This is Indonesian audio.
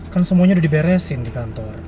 kan semuanya udah diberesin di kantor